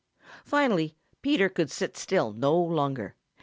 Finally Peter could sit still no longer.